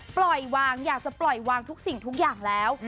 ปล่อยวางอยากจะปล่อยวางทุกสิ่งทุกอย่างแล้ว